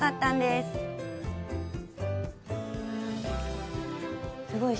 すごい。